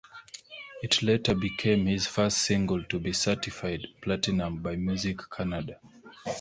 It later became his first single to be certified Platinum by Music Canada.